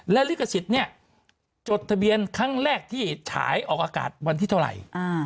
และลิขสิทธิ์เนี่ยจดทะเบียนครั้งแรกที่ฉายออกอากาศวันที่เท่าไหร่